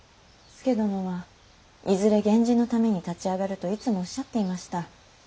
佐殿はいずれ源氏のために立ち上がるといつもおっしゃっていました。